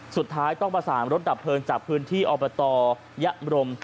สุดท้ายต้องประสานรถดับเพลิงจากพื้นที่อบตยะบรม